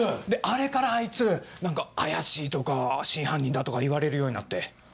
であれからあいつ何か怪しいとか真犯人だとか言われるようになって。